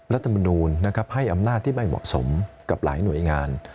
รัฐมนูลนะครับให้อำนาจที่ไม่เหมาะสมกับหลายหน่วยงาน